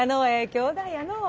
きょうだいやのう。